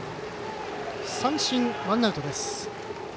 三振、ワンアウト。